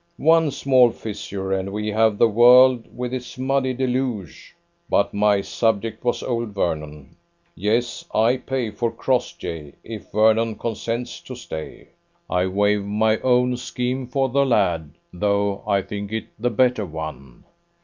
One small fissure, and we have the world with its muddy deluge! But my subject was old Vernon. Yes, I pay for Crossjay, if Vernon consents to stay. I waive my own scheme for the lad, though I think it the better one.